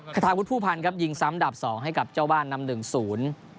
คาทาวุฒิผู้พันธ์ครับยิงซ้ำดับสองให้กับเจ้าบ้านนำหนึ่งศูนย์